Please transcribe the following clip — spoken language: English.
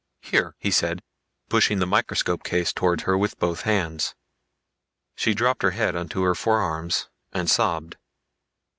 Here!" he said, pushing the microscope case towards her with both hands. She dropped her head onto her forearms and sobbed.